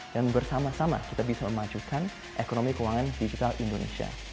dan bersama sama kita bisa memajukan ekonomi keuangan digital indonesia